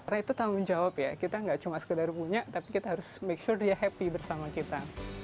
rai itu tanggung jawab ya kita nggak cuma sekedar punya tapi kita harus make sure dia happy bersama kita